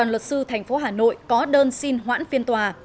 luật sư thành phố hà nội có đơn xin hoãn phiên tòa